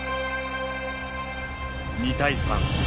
２対３。